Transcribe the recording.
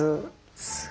すごい。